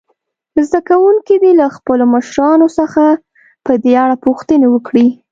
زده کوونکي دې له خپلو مشرانو څخه په دې اړه پوښتنې وکړي.